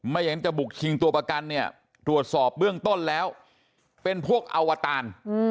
อย่างนั้นจะบุกชิงตัวประกันเนี่ยตรวจสอบเบื้องต้นแล้วเป็นพวกอวตาร